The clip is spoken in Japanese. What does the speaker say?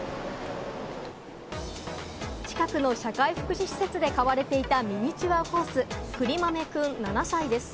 近くの社会福祉施設で飼われていたミニチュアホース・くりまめくん７歳です。